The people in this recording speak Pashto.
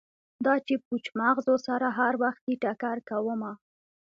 دا چې پوچ مغزو سره هروختې ټکر کومه